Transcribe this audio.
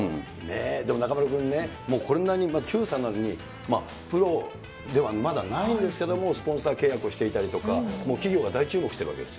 でも中丸君ね、もうこんなに、まだ９歳なのに、プロではまだないんですけれども、スポンサー契約をしていたりとか、もう企業が大注目してるわけです。